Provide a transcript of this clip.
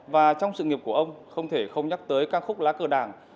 và trong sự nghiệp của ông không thể không nhắc tới ca khúc lá cờ đảng